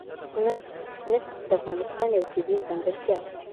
نفت د افغانستان یوه طبیعي ځانګړتیا ده.